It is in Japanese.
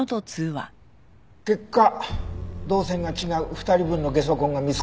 結果動線が違う２人分のゲソ痕が見つかった。